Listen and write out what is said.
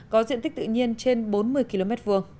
có diện tích tự nhiên trên bốn mươi km hai